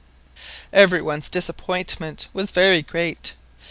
Every one's disappointment was very great.